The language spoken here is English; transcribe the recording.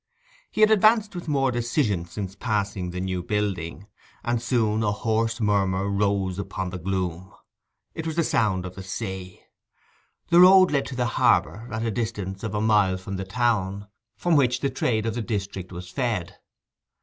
He had advanced with more decision since passing the new building, and soon a hoarse murmur rose upon the gloom; it was the sound of the sea. The road led to the harbour, at a distance of a mile from the town, from which the trade of the district was fed.